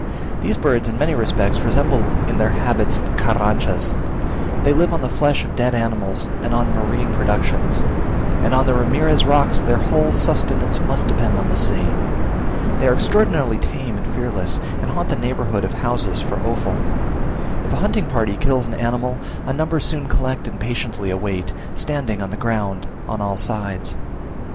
These birds in many respects resemble in their habits the Carranchas. They live on the flesh of dead animals and on marine productions; and on the Ramirez rocks their whole sustenance must depend on the sea. They are extraordinarily tame and fearless, and haunt the neighborhood of houses for offal. If a hunting party kills an animal, a number soon collect and patiently await, standing on the ground on all sides.